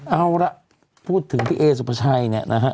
เอาล่ะพูดถึงพี่เอสุภาชัยเนี่ยนะฮะ